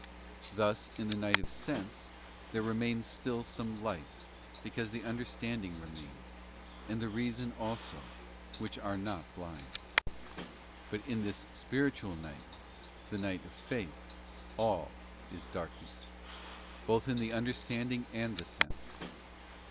Thus, in the night of sense, there remains still some light, because the understanding remains, and the reason also, which are not blind. But in this spiritual night, the night of faith, all is darkness, both' in the understanding and the sense.